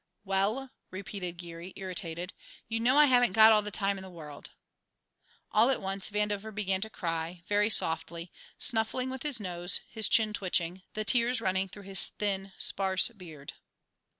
"Well," repeated Geary, irritated, "you know I haven't got all the time in the world." All at once Vandover began to cry, very softly, snuffling with his nose, his chin twitching, the tears running through his thin, sparse beard.